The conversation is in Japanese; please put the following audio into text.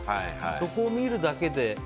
そこを見るだけで。